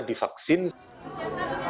kita harus menghadapi vaksin